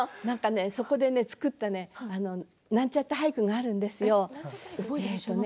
そこで作ったなんちゃって俳句があるんですよ。